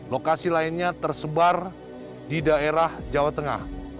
lokasi lainnya tersebar di daerah jawa tengah